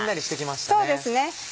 そうですね。